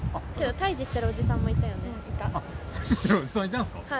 退治してるおじさんもいたんですか？